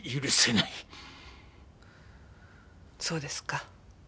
そうですか。